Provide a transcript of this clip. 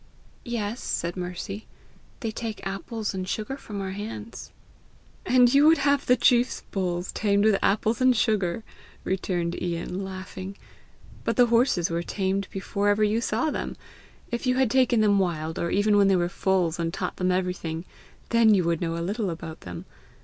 "Yes," said Mercy; "they take apples and sugar from our hands." "And you would have the chief's bulls tamed with apples and sugar!" returned Ian, laughing. "But the horses were tamed before ever you saw them! If you had taken them wild, or even when they were foals, and taught them everything, then you would know a little about them.